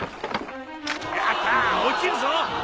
やった落ちるぞ！